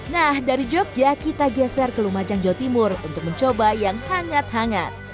nah dari jogja kita geser ke lumajang jawa timur untuk mencoba yang hangat hangat